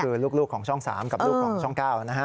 คือลูกของช่อง๓กับลูกของช่อง๙นะฮะ